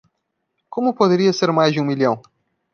Como poderia ser mais de um milhão?